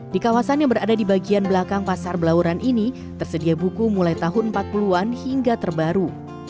di kawasan yang berada di bagian belakang pasar belauran ini tersedia buku mulai tahun empat puluh an hingga terbaru